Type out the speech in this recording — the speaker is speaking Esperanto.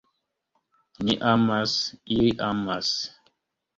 Ni amas, ili amas!